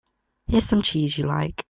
Here's some cheese you like.